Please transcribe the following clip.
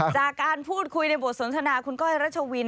จากการพูดคุยในบทสนทนาคุณก้อยรัชวิน